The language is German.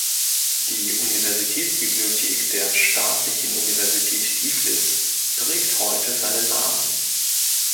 Die Universitätsbibliothek der "Staatlichen Universität Tiflis" trägt heute seinen Namen.